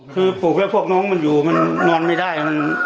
คือปลูกแล้วพวกน้องมันอยู่มันนอนไม่ได้